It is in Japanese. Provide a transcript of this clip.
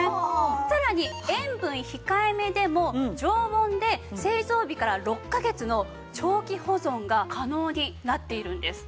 さらに塩分控えめでも常温で製造日から６カ月の長期保存が可能になっているんです。